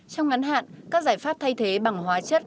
trong ngắn hạn các giải pháp thay thế bằng hóa chất